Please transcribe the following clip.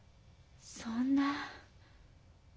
そんな。